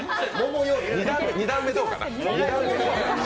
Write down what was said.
２段目どうかな